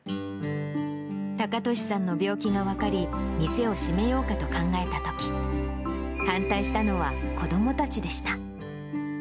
隆敏さんの病気が分かり、店を閉めようかと考えたとき、反対したのは子どもたちでした。